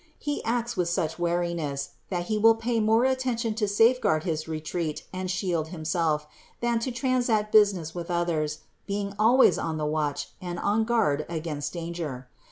He acts with such wariness, that he will pay more attention to safe guard his retreat and shield himself, than to transact business with others, being always on the watch and on guard against danger.